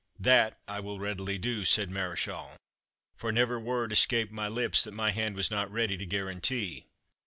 "That I will readily do," said Mareschal, "for never word escaped my lips that my hand was not ready to guarantee.